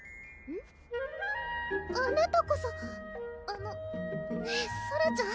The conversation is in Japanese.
あなたこそあのねぇソラちゃん？